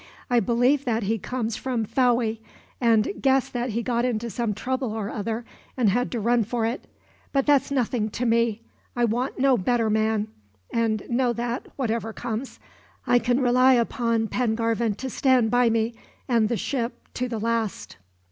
I believe that he comes from Fowey, and guess that he got into some trouble or other, and had to run for it. But that's nothing to me. I want no better man; and know that, whatever comes, I can rely upon Pengarvan to stand by me, and the ship, to the last."